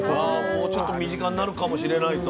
もうちょっと身近になるかもしれないと。